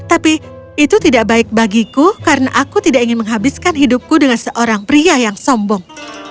tapi itu tidak baik bagiku karena aku tidak ingin menghabiskan hidupku dengan seorang pria yang sombong